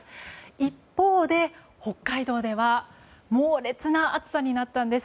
一方で北海道では猛烈な暑さになったんです。